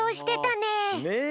ねえ。